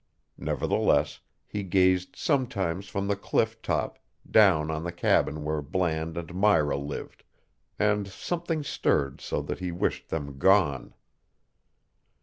Nevertheless he gazed sometimes from the cliff top down on the cabin where Bland and Myra lived, and something stirred him so that he wished them gone.